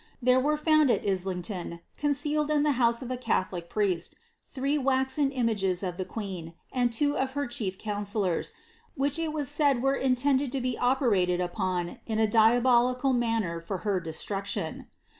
There were found ai li^litiglou, concealed in lh( Iiouse of a catholic priest, three wasen images of liiP ijueeii) and two of her chief councillors, which ii was said were intended lo be npcniKvl upon in a diabolical manner for her deslruetinn.'